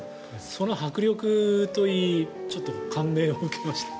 その迫力といいちょっと感銘を受けました。